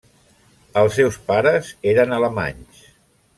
Els seus pares eren alemanys.